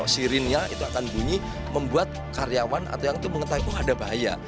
sirinnya itu akan bunyi membuat karyawan atau yang itu mengetahui oh ada bahaya